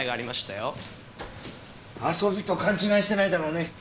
遊びと勘違いしてないだろうね？